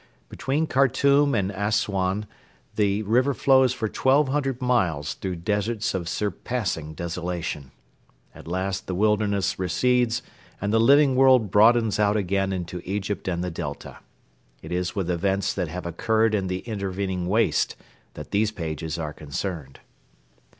Between Khartoum and Assuan the river flows for twelve hundred miles through deserts of surpassing desolation. At last the wilderness recedes and the living world broadens out again into Egypt and the Delta. It is with events that have occurred in the intervening waste that these pages are concerned.